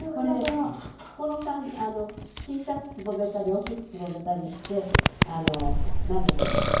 これこの小さくつぼめたり大きくつぼめたりしてあの何でしょう。